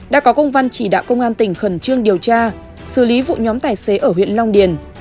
đã có công văn chỉ đạo công an tỉnh khẩn trương điều tra xử lý vụ nhóm tài xế ở huyện long điền